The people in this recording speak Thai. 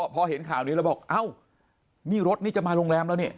พอเห็นข่าวนี้แล้วบอกเอ้านี่รถนี่จะมาโรงแรมแล้วนี่